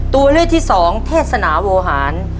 ตัวเลือกที่สองเทศนาโวหาร